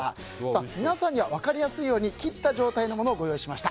皆さんには分かりやすいように切った状態のものをご用意しました。